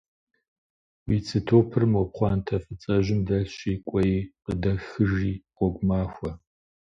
Уи цы топыр мо пхъуантэ фӀыцӀэжьым дэлъщи кӀуэи къыдэхыжи, гъуэгу махуэ.